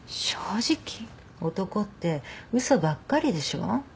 男って嘘ばっかりでしょう？